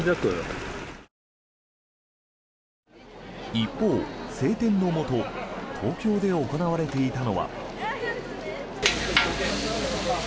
一方、晴天のもと東京で行われていたのは。